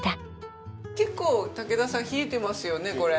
結構武田さん冷えてますよねこれ。